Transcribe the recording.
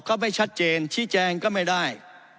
ก็ไม่ชัดเจนชี้แจงก็ไม่ได้